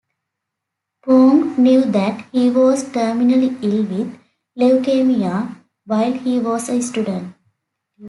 Phong knew that he was terminally ill with leukemia while he was a student.